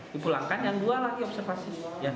dipulangkan yang dua lagi observasi